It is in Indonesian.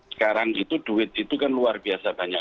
sekarang itu duit itu kan luar biasa banyak